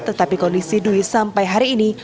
tetapi kondisi dwi sampai hari ini